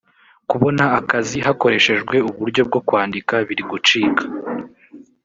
kubona akazi hakoreshejwe uburyo bwokwandika birigucika.